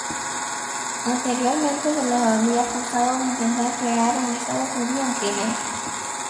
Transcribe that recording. Anteriormente se los había acusado de intentar crear un estado judío en Crimea.